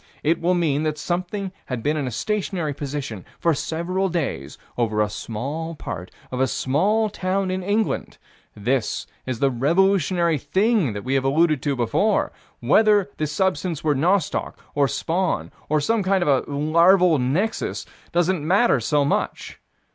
It will mean that something had been in a stationary position for several days over a small part of a small town in England: this is the revolutionary thing that we have alluded to before; whether the substance were nostoc, or spawn, or some kind of a larval nexus, doesn't matter so much.